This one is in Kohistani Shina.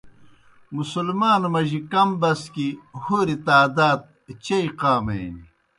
مسلمانو مجی کم بسکیْ ہوریْ تعداد چیئی قامے نیْ۔